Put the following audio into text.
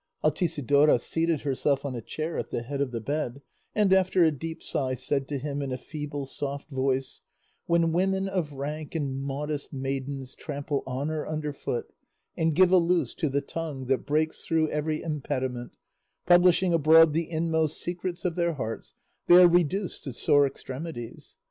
Altisidora seated herself on a chair at the head of the bed, and, after a deep sigh, said to him in a feeble, soft voice, "When women of rank and modest maidens trample honour under foot, and give a loose to the tongue that breaks through every impediment, publishing abroad the inmost secrets of their hearts, they are reduced to sore extremities.